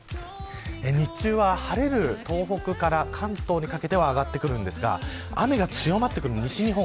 日中は晴れる東北から関東にかけては上がってくるんですが雨が強まってくる西日本